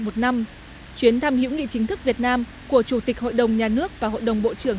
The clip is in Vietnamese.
một năm chuyến thăm hữu nghị chính thức việt nam của chủ tịch hội đồng nhà nước và hội đồng bộ trưởng